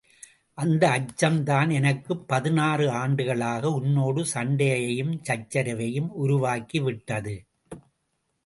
அந்த அச்சம் தான் எனக்குப் பதினாறு ஆண்டுகளாக உன்னோடு சண்டையையும், சச்சரவையும் உருவாக்கி விட்டது.